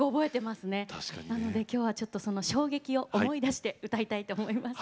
なので今日はその衝撃を思い出して歌いたいと思います。